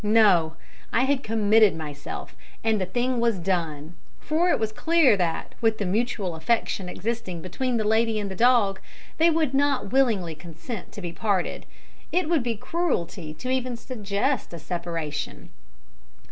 No! I had committed myself, and the thing was done; for it was clear that, with the mutual affection existing between the lady and the dog, they would not willingly consent to be parted it would be cruelty even to suggest a separation.